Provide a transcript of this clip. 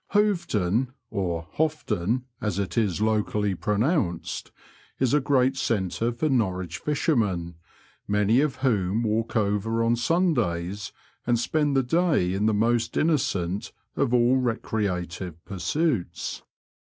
Hoveton (or Hofton,*' as it is locally pronounced) is a great centre for Norwich fishermen, many of whom walk over on Sundays and spend the day in the most innocent of all recreative pursuits.